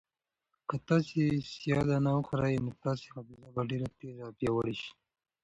که تاسي سیاه دانه وخورئ نو ستاسو حافظه به ډېره تېزه او پیاوړې شي.